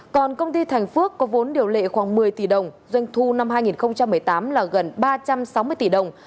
còn công ty thành phước có vốn điều lệ khoảng một mươi tỷ đồng doanh thu năm hai nghìn một mươi tám là gần ba trăm sáu mươi tỷ đồng